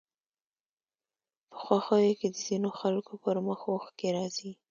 په خوښيو کې د ځينو خلکو پر مخ اوښکې راځي